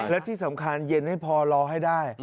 และที่สำคัญเย็นให้พอรอให้ได้